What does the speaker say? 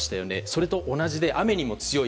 それと同じで、雨にも強い。